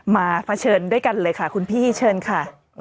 เผชิญด้วยกันเลยค่ะคุณพี่เชิญค่ะ